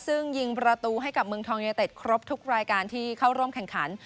ซึ่งยิงประตูให้กับเมืองทองยูเนเต็ดครบทุกรายการที่เข้าร่วมแข่งขัน